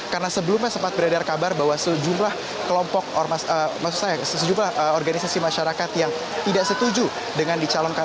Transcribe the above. karena sebelumnya sempat beredar kabar bahwa sejumlah kelompok maksud saya sejumlah organisasi masyarakat yang tidak setuju dengan di calon